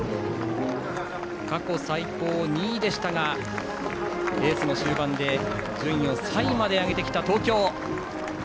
過去最高２位でしたがレースの終盤で順位を３位まで上げてきた東京。